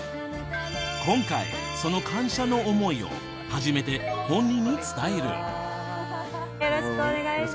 今回その感謝の思いを初めて本人に伝えるよろしくお願いします